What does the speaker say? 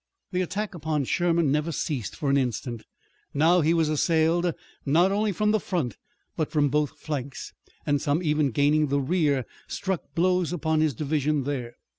The attack upon Sherman never ceased for an instant. Now he was assailed not only from the front, but from both flanks, and some even gaining the rear struck blows upon his division there.